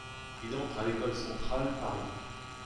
Il entre à l'École centrale Paris.